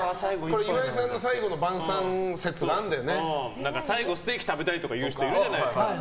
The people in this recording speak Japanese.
岩井さんの最後の晩さん説最後、ステーキ食べたいとか言う人いるじゃないですか。